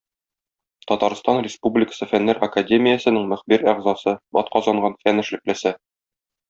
Татарстан Республикасы Фәннәр академиясенең мөхбир әгъзасы, атказанган фән эшлеклесе.